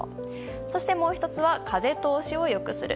そして、もう１つは風通しを良くする。